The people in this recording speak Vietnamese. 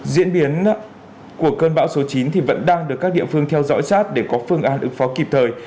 diễn biến của cơn bão số chín thì vẫn đang được các địa phương theo dõi sát để có phương án ứng phó kịp thời